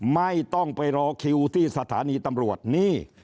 ไม่ต้องไปรอคิวที่สถานีตำรวจนี่